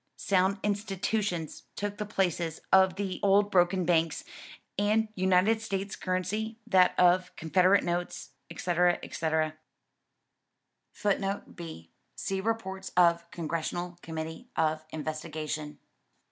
Sound institutions took the places of the old broken banks, and United States currency that of Confederate notes, etc. etc.[B] [Footnote B: See Reports of Congressional Committee of Investigation.